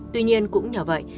tuy nhiên cũng nhờ vậy